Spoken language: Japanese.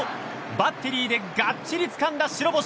バッテリーでがっちりつかんだ白星。